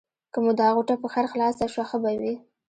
که مو دا غوټه په خیر خلاصه شوه؛ ښه به وي.